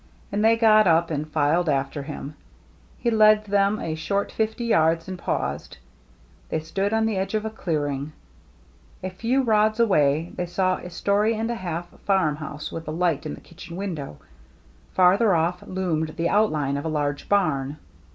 And they got up and filed after him. He led them a short fifty yards, and paused. They stood on the edge of a clearing. A few rods away they saw a story and a half farm house, with a light in the kitchen window. Farther off loomed the outline of a large barn.